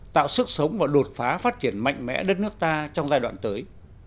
tạo sức sống và đột phá phát triển mạnh mẽ đất nước ta trong giai đoạn tới